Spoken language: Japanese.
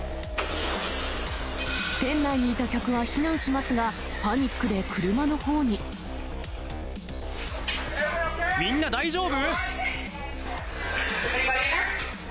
店内にいた客は避難しますが、みんな、大丈夫？